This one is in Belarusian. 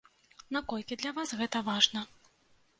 Наколькі для вас гэта важна?